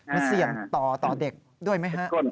มันเสี่ยงต่อเด็กด้วยไหมฮะ